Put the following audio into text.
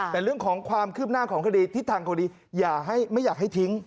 แต่เรื่องของความคืบหน้าของคดีทิศทางคดีอย่าไม่อยากให้ทิ้ง